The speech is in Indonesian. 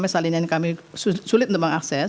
salinan kami sulit untuk mengakses